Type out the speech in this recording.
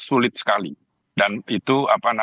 sulit sekali dan itu